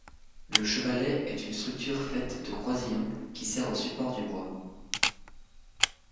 Le chevalet est une structure faite de croisillons, qui sert au support du bois.